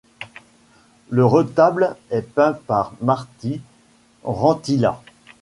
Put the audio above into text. Le retable est peint par Martti Ranttila.